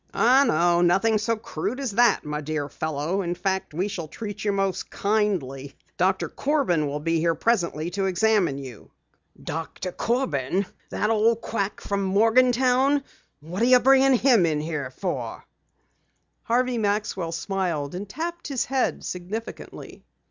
"Oh, no, nothing so crude as that, my dear fellow. In fact, we shall treat you most kindly. Doctor Corbin will be here presently to examine you." "Doctor Corbin! That old quack from Morgantown! What are you bringing him here for?" Harvey Maxwell smiled and tapped his head significantly.